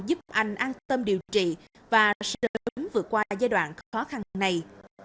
giúp anh an tâm điều trị và sớm vượt qua giai đoạn khó khăn này